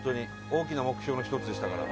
大きな目標の１つでしたから。